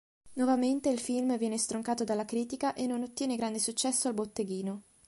Nuovamente il film viene stroncato dalla critica e non ottiene grande successo al botteghino.